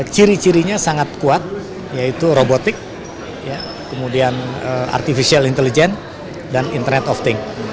ciri cirinya sangat kuat yaitu robotik kemudian artificial intelligence dan internet of thing